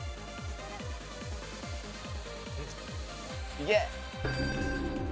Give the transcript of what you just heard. いけ！